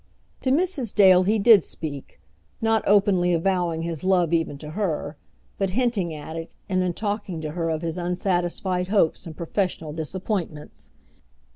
To Mrs. Dale he did speak, not openly avowing his love even to her, but hinting at it, and then talking to her of his unsatisfied hopes and professional disappointments.